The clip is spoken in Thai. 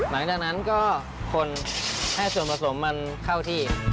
หลังจากนั้นก็คนให้ส่วนผสมมันเข้าที่